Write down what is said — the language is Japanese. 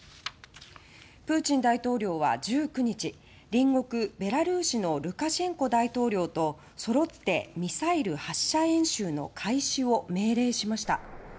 プーチン大統領は、１９日隣国ベラルーシのルカシェンコ大統領とそろってミサイル発射演習の開始を命令しました。